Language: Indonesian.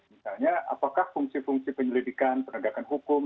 misalnya apakah fungsi fungsi penyelidikan penegakan hukum